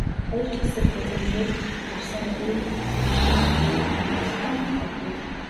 Хоёр ч хэсэг газар мөр дарсан үе судалтан харагдана.